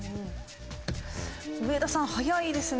上田さん早いですね。